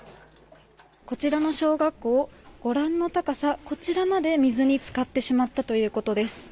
こちらの小学校ご覧の高さまで水に浸かってしまったということです。